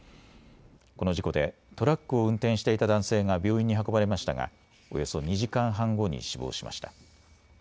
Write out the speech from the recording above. この事故でトラックを運転していた男性が病院に運ばれましたがおよそ２時間半後に死亡しました。